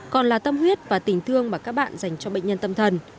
còn là tâm huyết và tình thương mà các bạn dành cho bệnh nhân tâm thần